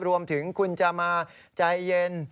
รวมถึงคุณจะมาใจเย็น